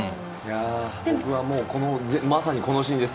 僕もまさにこのシーンです。